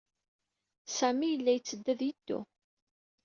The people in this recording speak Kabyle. Sami yella yetteddu ad yeddu.